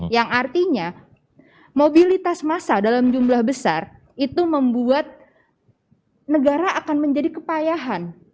yang artinya mobilitas massa dalam jumlah besar itu membuat negara akan menjadi kepayahan